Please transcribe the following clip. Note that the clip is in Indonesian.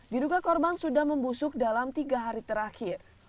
diduga korban sudah membusuk dalam tiga hari terakhir